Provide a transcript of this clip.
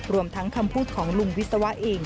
รวมทั้งคำพูดของลุงวิศวะเอง